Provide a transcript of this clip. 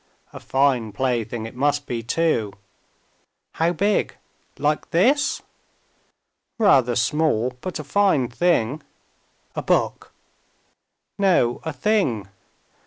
A fine plaything it must be too!" "How big? Like this?" "Rather small, but a fine thing." "A book." "No, a thing.